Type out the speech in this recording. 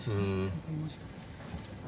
分かりました。